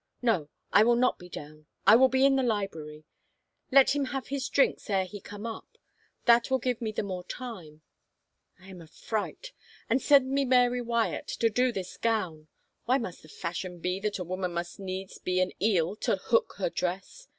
No, I will not be down — I will be in the library. Let him have his drinks ere he come up ... that will give me the more time. I am a fright. ... And send me Mary Wyatt to do this gown — Why must the fashion be that a woman must needs be an eel to hook her dress?